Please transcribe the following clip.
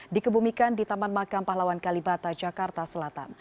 dikebumikan di taman makam pahlawan kalibata jakarta selatan